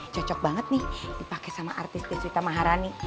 cocok banget nih dipake sama artis deswita maharani